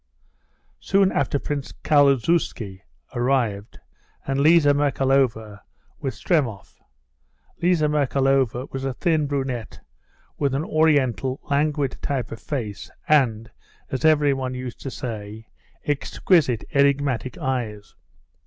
Soon after Prince Kaluzhsky arrived, and Liza Merkalova with Stremov. Liza Merkalova was a thin brunette, with an Oriental, languid type of face, and—as everyone used to say—exquisite enigmatic eyes.